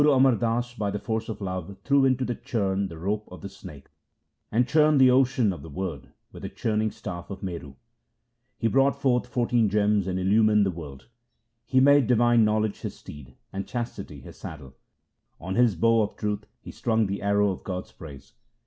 58 LIFE OF GURU AMAR DAS 59 Guru Amar Das by the force of love threw into the churn the rope of the snake, And churned the ocean of the Word with the churning staff of Meru ; He brought forth fourteen gems and illumined the world. He made divine knowledge his steed and chastity his saddle; On his bow of truth he strung the arrow of God's praise.